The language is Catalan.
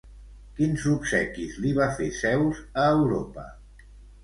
Quins obsequis li va fer Zeus a Europa?